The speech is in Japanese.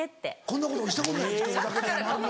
こんなこと俺したことない。